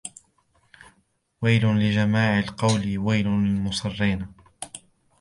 وَيْلٌ لِجَمَّاعِ الْقَوْلِ وَيْلٌ لِلْمُصِرِّينَ